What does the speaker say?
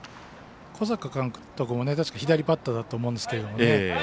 小坂監督、左バッターだと思うんですけどね